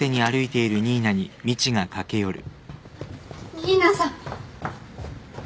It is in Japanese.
新名さん。